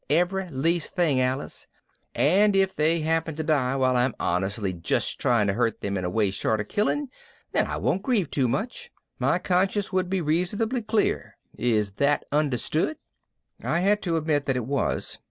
Every least thing, Alice. And if they happen to die while I'm honestly just trying to hurt them in a way short of killing, then I won't grieve too much. My conscience will be reasonably clear. Is that understood?" I had to admit that it was.